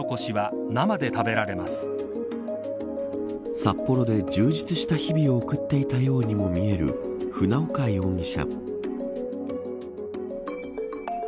札幌で充実した日々を送っていたようにも見える船岡容疑者。